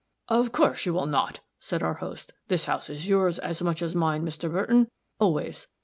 "Of course you will not," said our host; "this house is yours as much as mine, Mr. Burton, always.